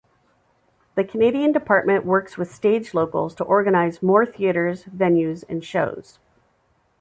The Canadian Department works with stage locals to organize more theaters, venues, and shows.